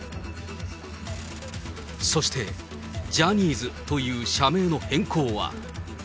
そして、ジャニーズという社名の変更は。